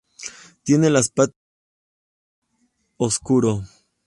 Tiene las patas de color gris oscuro.